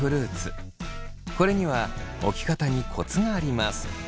これには置き方にコツがあります。